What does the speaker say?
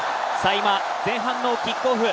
今、前半のキックオフ。